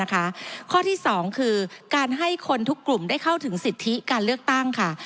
ข้อที่๒คือการให้คนทุกกลุ่มได้เข้าถึงสิทธิการเลือกตั้งค่ะ